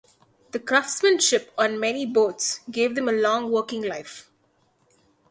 The craftsmanship on many boats gave them a long working life.